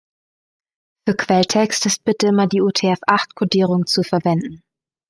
Für Quelltext ist bitte immer die UTF-acht-Kodierung zu verwenden.